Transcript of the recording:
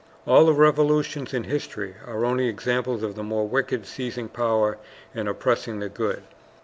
All the revolutions in history are only examples of the more wicked seizing power and oppressing the good.